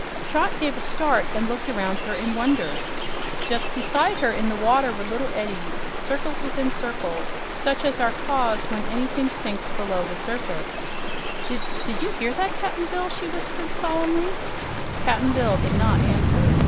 Trot gave a start and looked around her in wonder. Just beside her in the water were little eddies circles within circles such as are caused when anything sinks below the surface. "Did did you hear that, Cap'n Bill?" she whispered solemnly. Cap'n Bill did not answer.